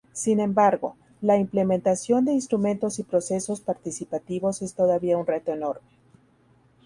Sin embargo, la implementación de instrumentos y procesos participativos es todavía un reto enorme.